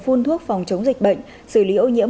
phun thuốc phòng chống dịch bệnh xử lý ô nhiễm